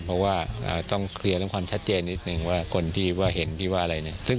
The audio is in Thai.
เพราะว่าต้องเคลียร์เรื่องความชัดเจนนิดนึงว่าคนที่ว่าเห็นที่ว่าอะไรเนี่ย